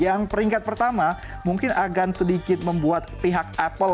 yang peringkat pertama mungkin agak sedikit membuat pihak apple itu merasa sedikit lebih berharga